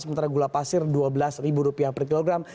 sementara gula pasir rp dua belas per kilogram